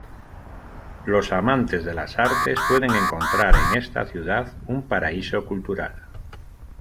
Los amantes de las artes pueden encontrar en esta ciudad un paraíso cultural.